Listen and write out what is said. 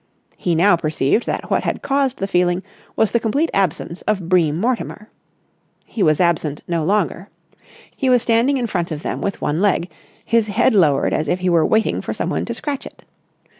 He now perceived that what had caused the feeling was the complete absence of Bream Mortimer. He was absent no longer. He was standing in front of them with one leg, his head lowered as if he were waiting for someone to scratch it.